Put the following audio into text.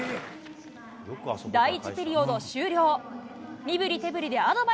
第１ピリオド終了。